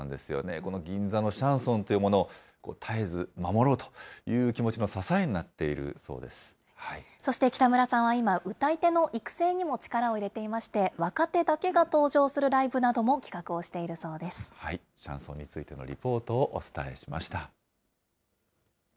この銀座のシャンソンというもの、絶えず守ろうという気持ちの支えそして北村さんは今、歌い手の育成にも力を入れていまして、若手だけが登場するライブなどもシャンソンについてのリポートをお伝えしました。